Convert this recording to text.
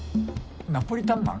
ナポリタンマン？